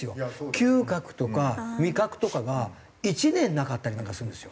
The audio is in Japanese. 嗅覚とか味覚とかが１年なかったりなんかするんですよ。